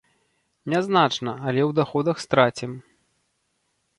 Нязначна, але ў даходах страцім.